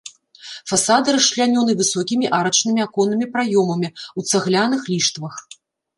Фасады расчлянёны высокімі арачнымі аконнымі праёмамі ў цагляных ліштвах.